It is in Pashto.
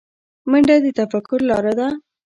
منډه د تفکر لاره ده